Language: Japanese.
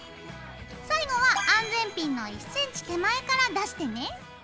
最後は安全ピンの１ｃｍ手前から出してね。